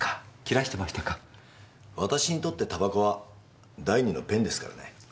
私にとってタバコは第二のペンですからね。